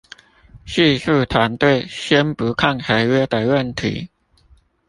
技術團隊先不看合約的問題